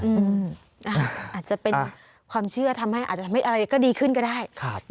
อาจจะเป็นความเชื่อทำให้อะไรก็ดีขึ้นก็ได้